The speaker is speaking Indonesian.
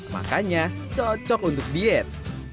makanya cocok untuk diet